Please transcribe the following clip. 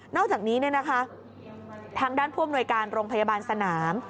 นอกจากนี้นะคะทางด้านพ่อมนวยการโรงพยาบาลสนาม